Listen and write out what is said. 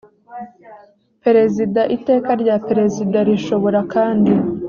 perezida iteka rya perezida rishobora kandi